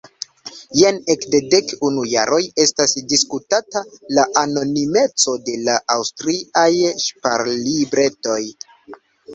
Jam ekde dek unu jaroj estas diskutata la anonimeco de la aŭstriaj ŝparlibretoj.